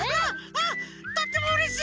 あとってもうれしい！